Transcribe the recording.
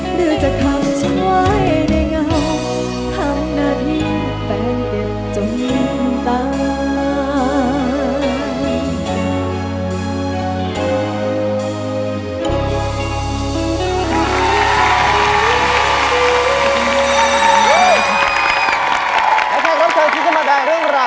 หรือจะทำฉันไว้ได้เงา